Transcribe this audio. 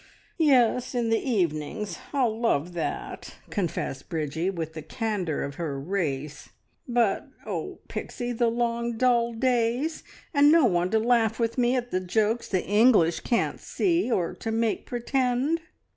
"Yes in the evenings. I'll love that!" confessed Bridgie, with the candour of her race. "But oh, Pixie, the long, dull days, and no one to laugh with me at the jokes the English can't see, or to make pretend!